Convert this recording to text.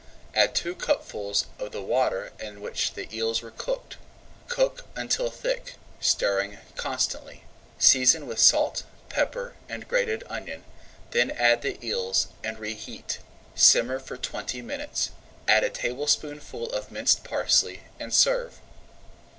Add two cupfuls of the water in which the eels were cooked. Cook until thick, stirring constantly. Season with salt, pepper, and grated onion, then add the eels and [Page 122] reheat. Simmer for twenty minutes, add a tablespoonful of minced parsley, and serve.